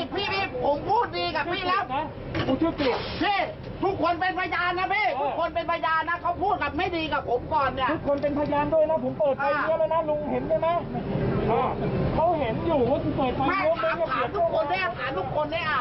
บอว่าอยู่สานอจักรวรรค์